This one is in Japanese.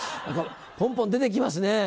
ポンポン出て来ますね。